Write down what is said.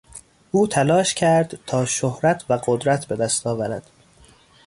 او تلاش کرد تا شهرت و قدرت بهدست آورد.